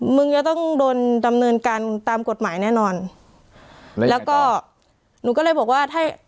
มึงจะต้องโดนดำเนินการตามกฎหมายแน่นอนแล้วก็หนูก็เลยบอกว่าถ้า